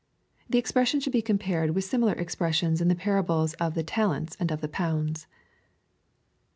] This expression should be compared with similar expressions in the parables of the talents and of the pounds.